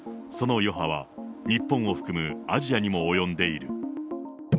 その余波は日本を含むアジアにも及んでいる。